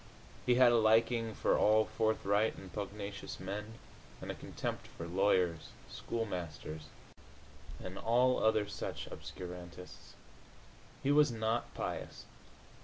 He had a liking for all forthright and pugnacious men, and a contempt for lawyers, schoolmasters and all other such obscurantists. He was not pious.